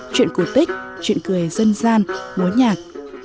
chuyện cổ tích chuyện cười dân gian múa nhạc